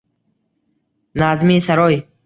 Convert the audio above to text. Nazmiy saroy.